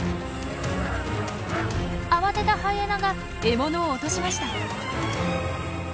慌てたハイエナが獲物を落としました。